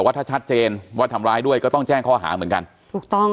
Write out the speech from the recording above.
ว่าถ้าชัดเจนว่าทำร้ายด้วยก็ต้องแจ้งข้อหาเหมือนกันถูกต้อง